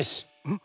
ん？